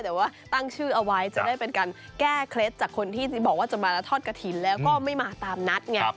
แต่ว่าตั้งชื่อเอาไว้จะได้เป็นการแก้เคล็ดจากคนที่บอกว่าจะมาทอดกระถิ่นแล้วก็ไม่มาตามนัดไง